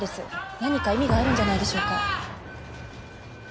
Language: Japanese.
何か意味があるんじゃないでしょうか。